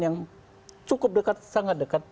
yang cukup dekat sangat dekat